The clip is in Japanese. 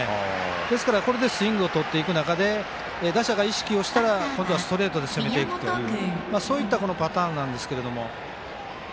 ですから、これでスイングをとっていく中で打者が意識したら、今度はストレートで攻めていくとそういったパターンなんですけど。